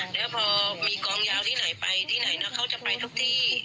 แล้วพอมีกองยาวที่ไหนไปที่ไหนนะเขาจะไปทุกที่